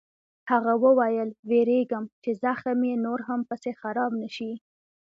هغه وویل: وېرېږم چې زخم یې نور هم پسې خراب نه شي.